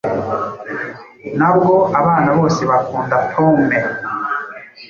Nabwo abana bose bakunda pome.